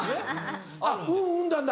あっ「うんうん」なんだ。